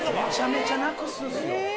めちゃめちゃなくすんですよ。